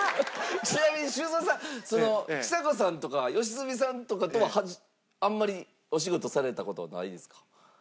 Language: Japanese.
ちなみに修造さんちさ子さんとか良純さんとかとはあんまりお仕事された事はないですか？